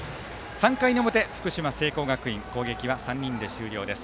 ３回の表、福島・聖光学院攻撃は３人で終了です。